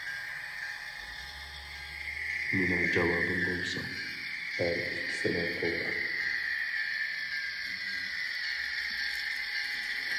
مېنىڭ جاۋابىم بولسا: ھەر ئىككىسىنىڭ توغرا.